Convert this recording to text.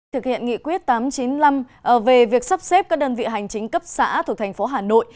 thực hiện nghị quyết tám trăm chín mươi năm về việc sắp xếp các đơn vị hành chính cấp xã thuộc thành phố hà nội